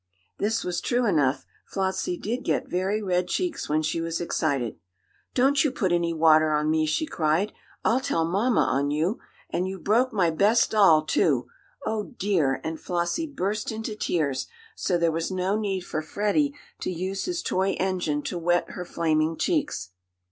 This was true enough. Flossie did get very red cheeks when she was excited. "Don't you put any water on me!" she cried. "I'll tell mamma on you! And you've broke my best doll, too! Oh, dear!" and Flossie burst into tears, so there was no need for Freddie to use his toy engine to wet her flaming cheeks.